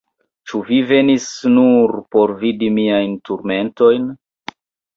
Ĉu vi venis nur por vidi miajn turmentojn?